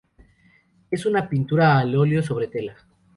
Es una pintura al óleo sobre tela.